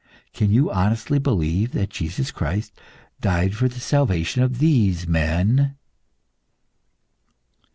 Can you honestly believe that Jesus Christ died for the salvation of these men?"